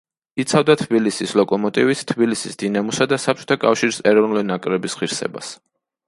იცავდა თბილისის „ლოკომოტივის“, თბილისის „დინამოსა“ და საბჭოთა კავშირის ეროვნული ნაკრების ღირსებას.